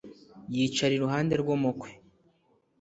yicara iruhande rw'umukwe